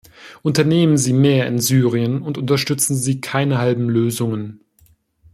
Unternehmen Sie mehr in Syrien und unterstützen Sie keine halben Lösungen.